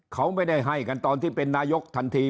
เขาไม่ได้ให้กันตอนที่เป็นนายกทันที